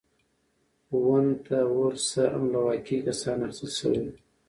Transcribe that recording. وُنت وُرث هم له واقعي کسانو اخیستل شوی و.